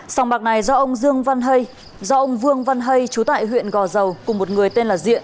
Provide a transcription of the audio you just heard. sòng bạc này do ông dương văn hay do ông vương văn hay chú tại huyện gò dầu cùng một người tên là diện